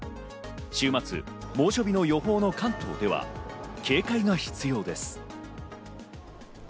週末、猛暑日の予報の関東では警戒が必要です。